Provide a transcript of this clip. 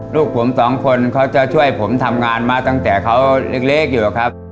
ลูกผมสองคนเขาจะช่วยผมทำงานมาตั้งแต่เขาเล็กอยู่ครับ